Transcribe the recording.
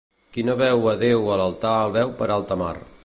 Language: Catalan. Qui no veu a Déu a l'altar el veu per alta mar.